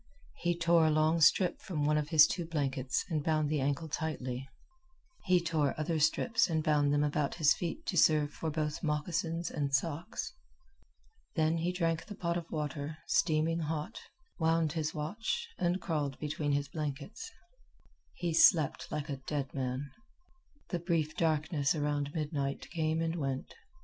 He tore a long strip from one of his two blankets and bound the ankle tightly. He tore other strips and bound them about his feet to serve for both moccasins and socks. Then he drank the pot of water, steaming hot, wound his watch, and crawled between his blankets. He slept like a dead man. The brief darkness around midnight came and went.